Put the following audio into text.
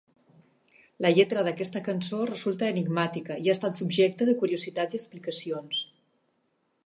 La lletra d'aquesta cançó resulta enigmàtica i ha estat subjecte de curiositat i explicacions.